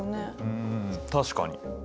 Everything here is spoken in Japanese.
うん確かに。